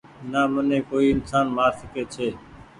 نا مني ڪوئي انسان مآر سکي ڇي